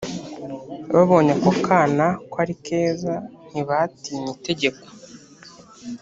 babonye ako kana ko ari keza ntibatinye itegeko